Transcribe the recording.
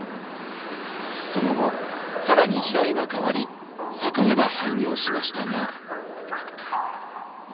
その後更に時代は変わり酒屋は廃業しましたが。